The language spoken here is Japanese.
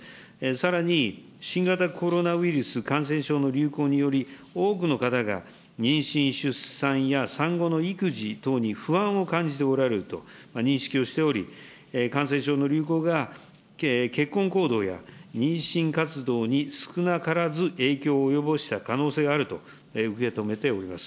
さらに、新型コロナウイルス感染症の流行により、多くの方が妊娠・出産や、産後の育児等に不安を感じておられると認識をしており、感染症の流行が、結婚行動や妊娠活動に少なからず影響を及ぼした可能性があると受け止めております。